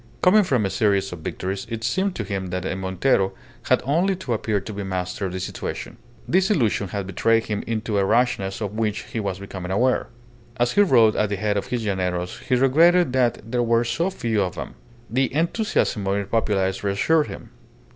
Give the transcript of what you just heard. Coming from a series of victories, it seemed to him that a Montero had only to appear to be master of the situation. This illusion had betrayed him into a rashness of which he was becoming aware. As he rode at the head of his llaneros he regretted that there were so few of them. The enthusiasm of the populace reassured him.